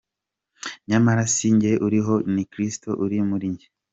Nyamara si jye uriho, ni Kristo uri muri jye!”.